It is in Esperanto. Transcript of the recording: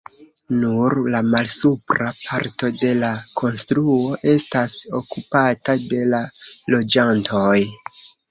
Nur la malsupra parto de la konstruo estas okupata de la loĝantoj.